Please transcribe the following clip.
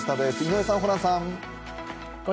井上さん、ホランさん。